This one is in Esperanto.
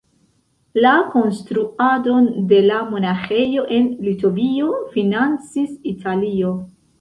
La konstruadon de la monaĥejo en Litovio financis Italio.